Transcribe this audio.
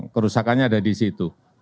kerusakannya ada di situ